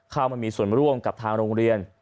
เข้ามามีส่วนร่วมกับทางโรงเรียน